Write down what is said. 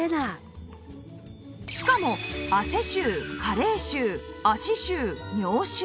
しかも汗臭加齢臭足臭尿臭